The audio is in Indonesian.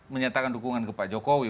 menyatakan dukungan ke pak jokowi